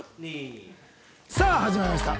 さあ始まりました